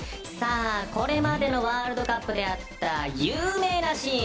これまでのワールドカップであった有名なシーン。